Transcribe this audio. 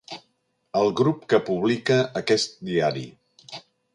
El grup que publica aquest diari.